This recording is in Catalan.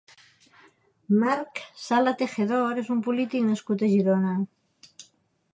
Marc Sala Tejedor és un polític nascut a Girona.